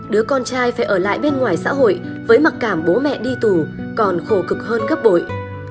đứa con trai phải ở lại bên ngoài xã hội với mặc cảm bố mẹ đi tù còn khổ cực hơn gấp bội